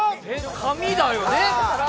紙だよね、